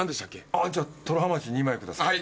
あじゃあトロハマチ２枚ください。